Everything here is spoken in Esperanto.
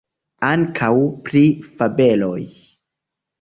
Ankaŭ pri fabeloj?